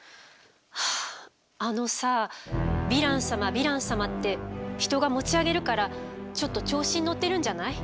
あのさヴィラン様ヴィラン様って人が持ち上げるからちょっと調子に乗ってるんじゃない？